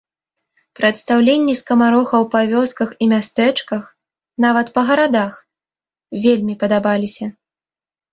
Прадстаўленні скамарохаў па вёсках і мястэчках, нават па гарадах, вельмі падабаліся.